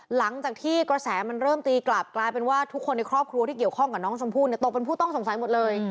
หลังจากที่กระแสมันเริ่มตีกลับกลายเป็นว่าทุกคนในครอบครัวที่เกี่ยวข้องกับน้องชมพู่เนี่ยตกเป็นผู้ต้องสงสัยหมดเลย